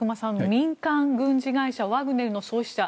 民間軍事会社ワグネルの創始者